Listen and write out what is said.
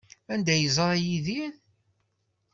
Anda ay yeẓra Yidir?